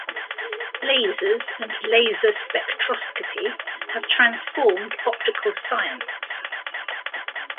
Lasers and laser spectroscopy have transformed optical science.